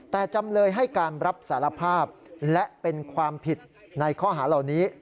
แต่จำเลยให้การรับสารภาพและเป็นความผิดในข้อหาเหล่านี้